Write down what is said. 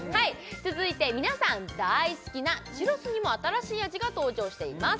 続いて皆さん大好きなチュロスにも新しい味が登場しています